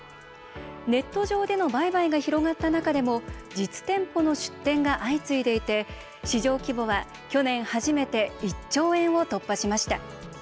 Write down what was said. ネット上での売買が広がった中でも実店舗の出店が相次いでいて市場規模は去年初めて１兆円を突破しました。